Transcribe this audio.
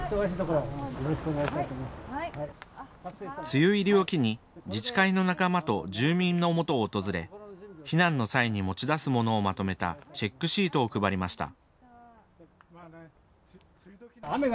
梅雨入りを機に自治会の仲間と住民のもとを訪れ、避難の際に持ち出すものをまとめたチェックシートを配りました。